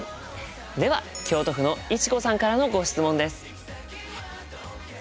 では京都府のいちこさんからのご質問です。